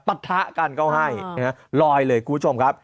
ปะทะกันก็ให้ลอยเลยคุณผู้ชมครับ